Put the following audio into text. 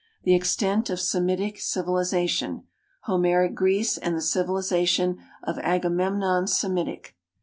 The extent of Semitic civilization. Homeric Greece and the civilization of Agamemnon Semitic.